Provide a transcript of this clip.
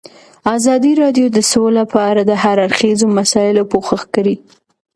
ازادي راډیو د سوله په اړه د هر اړخیزو مسایلو پوښښ کړی.